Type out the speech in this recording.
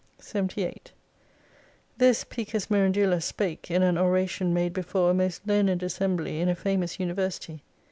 78 This Picus Mirandula spake in an oration made before a most learned assembly in a famous university.